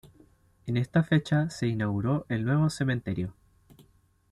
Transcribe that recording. En esta fecha se inauguró el nuevo cementerio.